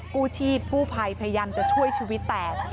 กู้ชีพกู้ภัยพยายามจะช่วยชีวิตแตก